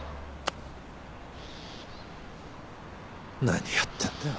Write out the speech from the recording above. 何やってんだよ？